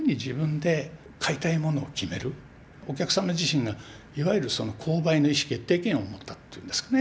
お客様自身がいわゆるその「購買の意思決定権」を持ったというんですかね。